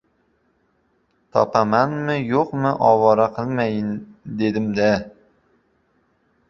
Topamanmi-yo‘qmi, ovora qilmayin dedim-da.